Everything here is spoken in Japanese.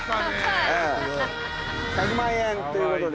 １００万円ということで。